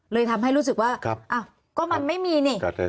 เลยทำให้รู้สึกว่าอ้าวก็มันไม่มีนี่